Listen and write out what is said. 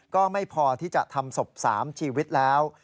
ก็ไม่พอที่จะทำศพ๓ชีวิตแล้ว